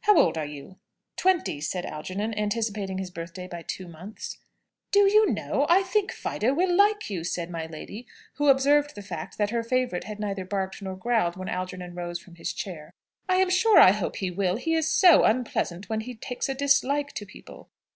How old are you?" "Twenty," said Algernon, anticipating his birthday by two months. "Do you know, I think Fido will like you!" said my lady, who observed the fact that her favourite had neither barked nor growled when Algernon rose from his chair. "I'm sure I hope he will; he is so unpleasant when he takes a dislike to people."